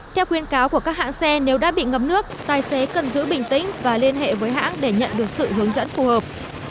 theo khuyên cáo của các hãng xe nếu đã bị ngập nước tài xế cần giữ bình tĩnh và liên hệ với hãng để nhận được sự hướng dẫn phù hợp